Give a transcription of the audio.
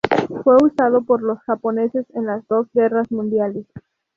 Fue usado por los japoneses en las dos guerras mundiales.